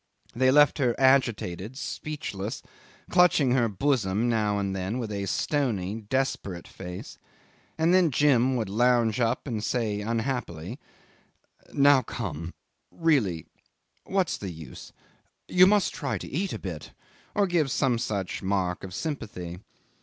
They left her agitated, speechless, clutching her bosom now and then with a stony, desperate face, and then Jim would lounge up and say unhappily, "Now come really what's the use you must try to eat a bit," or give some such mark of sympathy.